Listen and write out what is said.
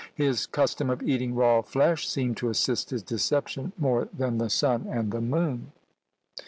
His custom of eating raw flesh seemed to assist his deception more than the sun and moon.